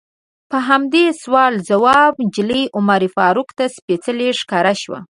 په همدې سوال ځواب نجلۍ عمر فاروق ته سپیڅلې ښکاره شوه.